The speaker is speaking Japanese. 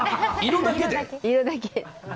色だけ。